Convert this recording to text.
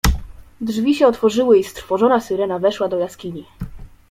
"Drzwi się otworzyły i strwożona Syrena weszła do jaskini."